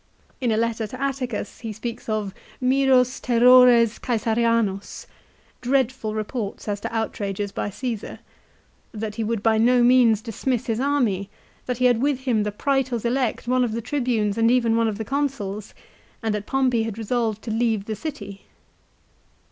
In a letter to Atticus he speaks of " Miros terrores Csesarianos," l "dreadful reports as to outrages by Caesar," that he would by no means dismiss his army, that he had with him the Praetors elect, one of the Tribunes, and even one of the Consuls ; and that Pompey had resolved to leave the city.